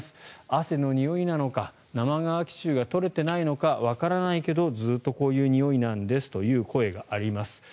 汗のにおいなのか、生乾き臭が取れていないのかわからないけどずっとこういうにおいなんですという声があります。